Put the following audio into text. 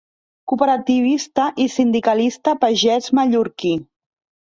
Cooperativista i sindicalista pagès mallorquí.